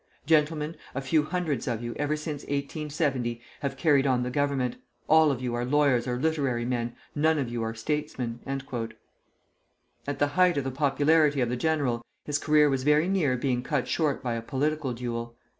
Gentlemen, a few hundreds of you, ever since 1870, have carried on the government. All of you are lawyers or literary men, none of you are statesmen." [Footnote 1: Le Figaro.] At the height of the popularity of the general his career was very near being cut short by a political duel.